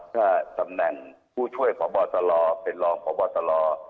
ถ้าตำแหน่งผู้ช่วยผ่อบอสลอเป็นรองผ่อบอสลอ